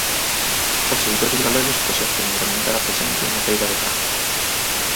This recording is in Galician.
Os editores galegos proxectan incrementar a presencia na feira de Fráncfurt